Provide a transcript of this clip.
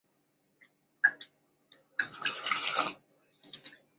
很好吃不贵